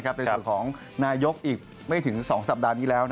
ในส่วนของนายกอีกไม่ถึง๒สัปดาห์นี้แล้ว